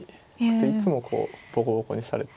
いつもこうボコボコにされて。